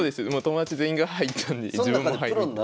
友達全員が入ったんで自分も入るって。